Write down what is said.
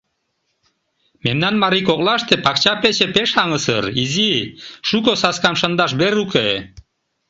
Мемнан марий коклаште пакча пече пеш аҥысыр, изи, шуко саскам шындаш вер уке.